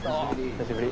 久しぶり。